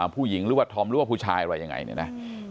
ผู้หญิงหรือว่าธอมหรือว่าผู้ชายอะไรยังไงเนี่ยนะ